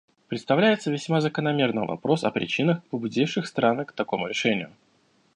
Представляется весьма закономерным вопрос о причинах, побудивших страны к такому решению.